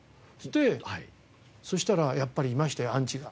でそしたらやっぱりいましたよアンチが。